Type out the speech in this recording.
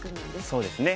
そうですね。